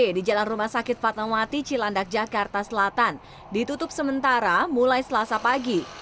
di jalan rumah sakit fatmawati cilandak jakarta selatan ditutup sementara mulai selasa pagi